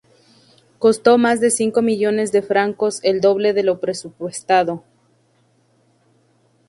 Costó más de cinco millones de francos, el doble de lo presupuestado.